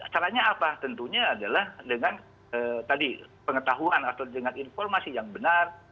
caranya apa tentunya adalah dengan tadi pengetahuan atau dengan informasi yang benar